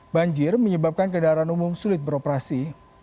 banjir menyebabkan kendaraan umum sulit beroperasi